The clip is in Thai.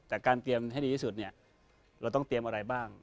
แต่การเตรียมให้ดีที่สุดเนี่ยเราต้องเตรียมอะไรบ้าง